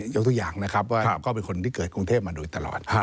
ยกตัวอย่างนะครับว่าก็เป็นคนที่เกิดกรุงเทพมาโดยตลอด